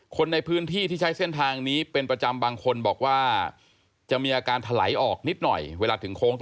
คนในพื้นที่ที่ใช้เส้นทางนี้เป็นประจำบางคนบอกว่า